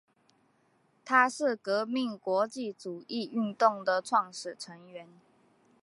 它是革命国际主义运动的创始成员。